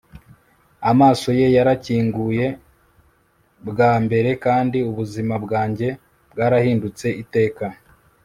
amaso ye yarakinguye bwa mbere kandi ubuzima bwanjye bwarahindutse iteka